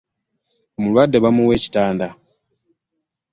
Omulwadde bamuwa ekitanda.